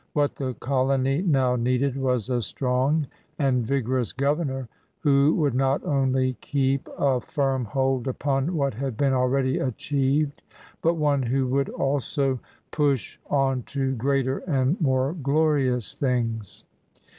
What the colony now needed was a strong and vigorous governor who would not only keep a firm hold upon what had been already achieved, but one who would also push on to greater and more glorious things.